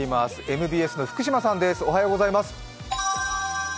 ＭＢＳの福島さんです。